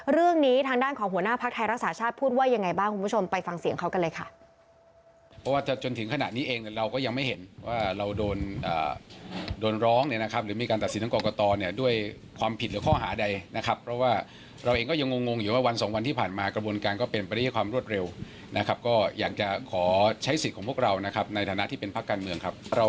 เรื่องนี้ทางด้านของหัวหน้าภักดิ์ไทยรักษาชาติพูดว่ายังไงบ้างคุณผู้ชมไปฟังเสียงเขากันเลยค่ะ